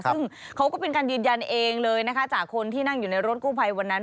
ซึ่งเขาก็เป็นการยืนยันเองเลยนะคะจากคนที่นั่งอยู่ในรถกู้ภัยวันนั้น